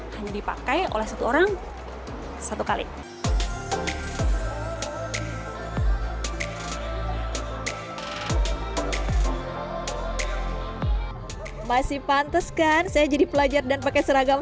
hanya dipakai oleh satu orang satu kali masih pantes kan saya jadi pelajar dan pakai seragam